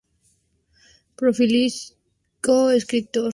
Prolífico escritor, su capacidad de síntesis es notable.